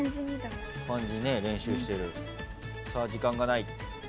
さあ時間がない。